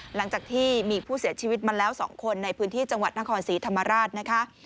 หลังจากที่มีผู้เสียชีวิตมาแล้ว๒คนในพื้นที่จังหวัดนครศรีธรรมราชนะคะ